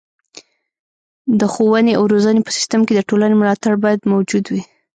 د ښوونې او روزنې په سیستم کې د ټولنې ملاتړ باید موجود وي.